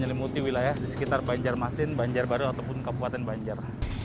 jadi kita harus menyelimuti wilayah di sekitar banjarmasin banjarbaru ataupun kabupaten banjar